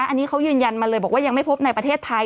อันนี้เขายืนยันมาเลยบอกว่ายังไม่พบในประเทศไทย